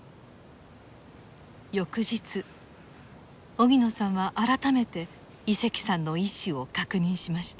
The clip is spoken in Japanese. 荻野さんは改めて井関さんの意思を確認しました。